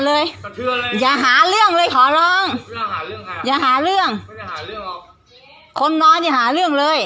ขอร้องอย่าหาเรื่องอย่าหาเรื่องไม่ได้หาเรื่องอ่ะคนนอนอย่าหาเรื่องเลย